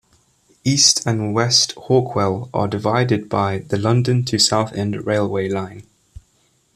East and West Hawkwell are divided by the London to Southend railway line.